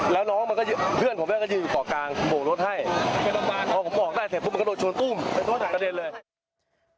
แล้วน้องมันก็เพื่อนผมแวะก็ยืนอยู่ของกางบ่งรถให้พอผมบอกได้แต่พรุ่งมันก็โดนชนตุ้มไปโดนกระเด็นเลย